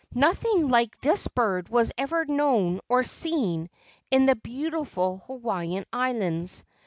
Nothing like this bird was ever known or seen in the beau¬ tiful Hawaiian Islands.